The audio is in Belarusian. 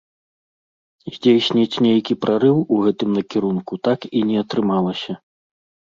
Здзейсніць нейкі прарыў у гэтым накірунку так і не атрымалася.